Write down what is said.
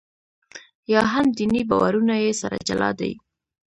یا هم دیني باورونه یې سره جلا دي.